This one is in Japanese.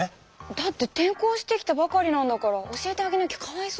だって転校してきたばかりなんだから教えてあげなきゃかわいそうでしょう。